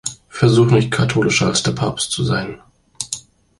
Versuch nicht, katholischer als der Papst zu sein.